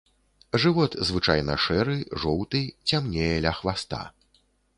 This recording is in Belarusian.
Жывот звычайна шэры, жоўты, цямнее ля хваста.